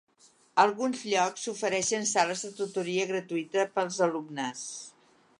Alguns llocs ofereixen sales de tutoria gratuïtes per als alumnes.